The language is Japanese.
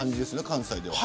関西では。